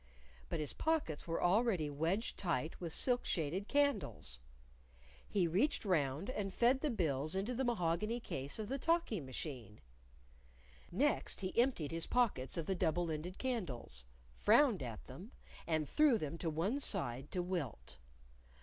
But his pockets were already wedged tight with silk shaded candles. He reached round and fed the bills into the mahogany case of the talking machine. Next, he emptied his pockets of the double ended candles, frowned at them, and threw them to one side to wilt.